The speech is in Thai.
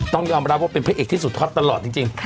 ต้องยอมรับว่าเป็นพระเอกที่สุดฮอตตลอดจริง